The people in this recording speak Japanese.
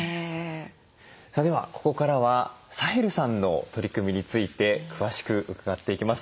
さあではここからはサヘルさんの取り組みについて詳しく伺っていきます。